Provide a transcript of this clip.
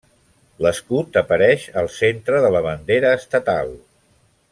L'escut apareix al centre de la bandera estatal.